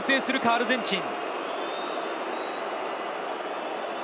アルゼンチン。